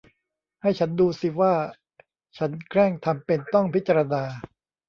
ให้ฉันดูสิว่าฉันแกล้งทำเป็นต้องพิจารณา